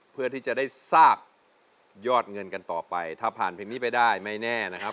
เพื่อที่จะได้ทราบยอดเงินกันต่อไปถ้าผ่านเพลงนี้ไปได้ไม่แน่นะครับ